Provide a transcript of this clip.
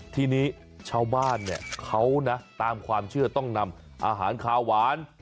ทีนี้ชาวบ้านเนี่ยเขานะตามความเชื่อต้องนำอาหารคาวหวาน